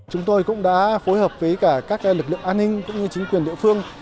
chúng tôi cũng đã phối hợp với cả các lực lượng an ninh cũng như chính quyền địa phương